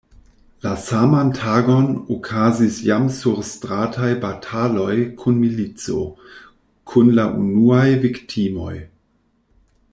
La saman tagon okazis jam surstrataj bataloj kun milico, kun la unuaj viktimoj.